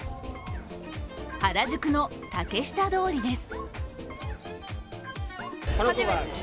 原宿の竹下通りです。